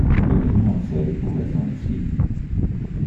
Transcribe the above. Le gagnant accède ou reste en X-League.